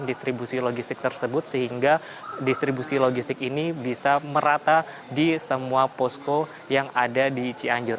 dan distribusi logistik tersebut sehingga distribusi logistik ini bisa merata di semua posko yang ada di cianjur